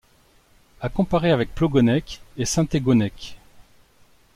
À comparer avec Plogonnec et Saint-Thégonnec.